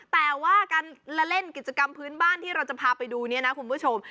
แต่ว่าการละเล่นกิจกรรมพื้นบ้านที่เราจะพาไปดูเนี่ยนะคุณผู้ชม